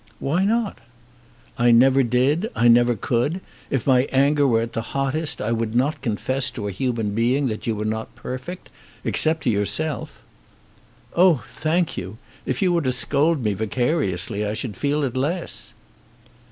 "Why not?" "I never did. I never could. If my anger were at the hottest I would not confess to a human being that you were not perfect, except to yourself." "Oh, thank you! If you were to scold me vicariously I should feel it less."